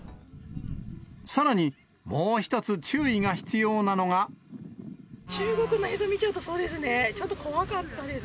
さらに、もう一つ注意が必要なの中国の映像見ちゃうと、そうですね、ちょっと怖かったです、